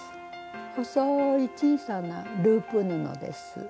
細い小さなループ布です。